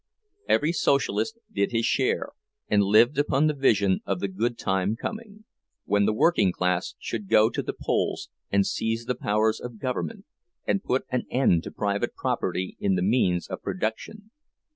Every Socialist did his share, and lived upon the vision of the "good time coming,"—when the working class should go to the polls and seize the powers of government, and put an end to private property in the means of production.